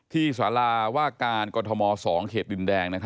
สาราว่าการกรทม๒เขตดินแดง